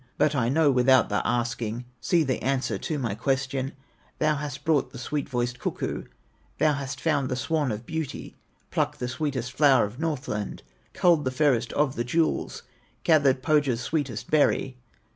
But I know without the asking, See the answer to my question: Thou hast brought the sweet voiced cuckoo, Thou hast found the swan of beauty, Plucked the sweetest flower of Northland, Culled the fairest of the jewels, Gathered Pohya's sweetest berry!"